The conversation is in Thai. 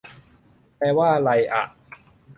แปลว่าไรอ่ะ